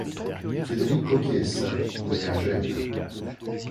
Federico Chiesa naît à Gênes.